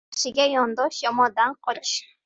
• Yaxshiga yondosh, yomondan qoch.